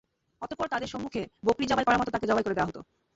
অতঃপর তাদের সম্মুখে বকরী জবাই করার মত তাকে জবাই করে দেয়া হত।